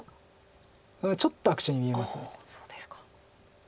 ちょっと悪手に見えます。